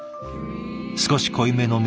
少し濃いめの味